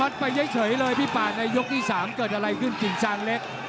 ที่ป่านในยกที่สามเกิดอะไรขึ้นกิ่งซางเล็ก